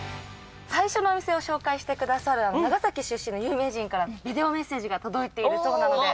最初のお店を紹介してくださる長崎出身の有名人からビデオメッセージが届いているそうなので。